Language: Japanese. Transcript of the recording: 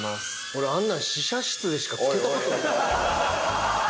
俺あんなん試写室でしかつけたことない。